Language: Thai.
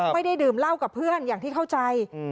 ไม่ได้ดื่มเหล้ากับเพื่อนอย่างที่เข้าใจ